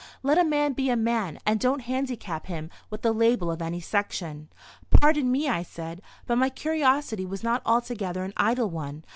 Let a man be a man and don't handicap him with the label of any section." "Pardon me," I said, "but my curiosity was not altogether an idle one.